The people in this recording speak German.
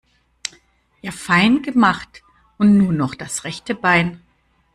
Ja fein gemacht, und nun noch das rechte Bein.